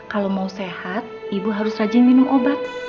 kalau mau sehat ibu harus saja minum obat